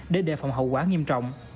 để đề phòng hậu quả nghiêm trọng